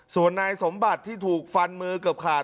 ส่วนนายสมบัติที่ถูกฟันมือเกือบขาด